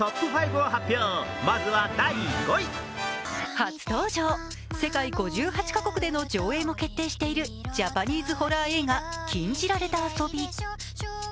初登場、世界５８か国での上映も決定しているジャパニーズホラー映画「禁じられた遊び」。